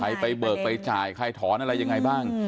ใครไปเบิกไปจ่ายใครถอนอะไรยังไงบ้าง